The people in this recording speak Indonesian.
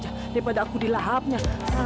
daripada aku di lahapnya